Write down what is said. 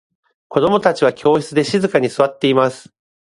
子供達は教室で静かに座っています。